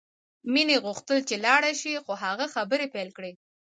مینه غوښتل چې لاړه شي خو هغه خبرې پیل کړې